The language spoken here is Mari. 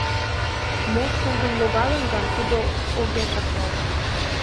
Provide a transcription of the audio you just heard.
Мо шулдын логалын гын, тудо огеш аклалт.